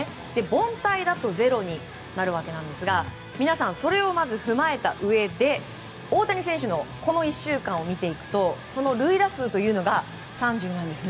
凡退だと０になるわけなんですが皆さん、それを踏まえたうえで大谷選手のこの１週間を見ていくとその塁打数というのが３０なんです。